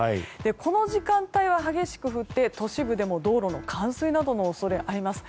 この時間帯は激しく降って都心部でも道路の冠水などの恐れがあります。